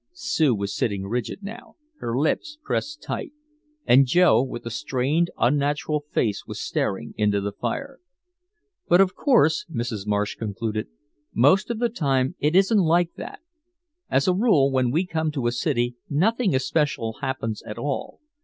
Sue was sitting rigid now, her lips pressed tight. And Joe with a strained unnatural face was staring into the fire. "But of course," Mrs. Marsh concluded, "most of the time it isn't like that. As a rule when we come to a city nothing especial happens at all.